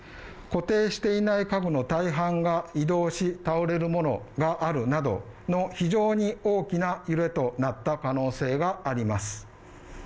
固定していない家具の大半が移動し、倒れるものがあるなどの非常に大きな揺れとなった可能性があります。